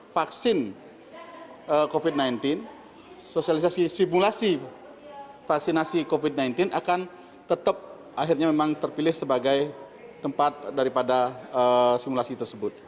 vaksin covid sembilan belas sosialisasi simulasi vaksinasi covid sembilan belas akan tetap akhirnya memang terpilih sebagai tempat daripada simulasi tersebut